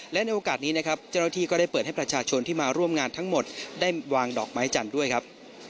และในโอกาสนี้นะครับเจ้าหน้าที่ก็ได้เปิดให้ประชาชนที่มาร่วมงานทั้งหมดได้วางดอกไม้จันทร์ด้วยครับ